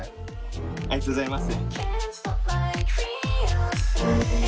ありがとうございます。